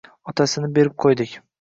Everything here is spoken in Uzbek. Otasini berib qo`ydik